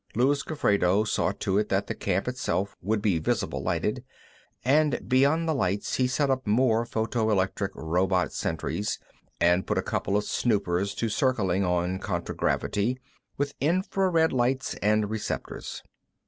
Luis Gofredo saw to it that the camp itself would be visible lighted, and beyond the lights he set up more photoelectric robot sentries and put a couple of snoopers to circling on contragravity, with infra red lights and receptors.